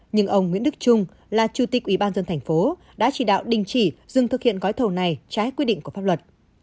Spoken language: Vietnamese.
nhưng ông nguyễn đức trung là chủ tịch ủy ban dân thành phố đã chỉ đạo đình chỉ dừng thực hiện gói thầu này trái quy định của pháp luật